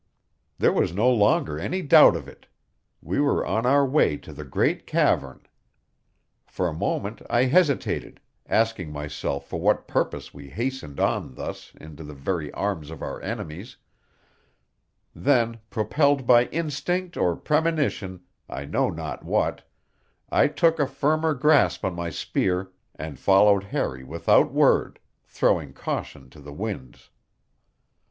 There was no longer any doubt of it: we were on our way to the great cavern. For a moment I hesitated, asking myself for what purpose we hastened on thus into the very arms of our enemies; then, propelled by instinct or premonition I know not what I took a firmer grasp on my spear and followed Harry without word, throwing caution to the winds.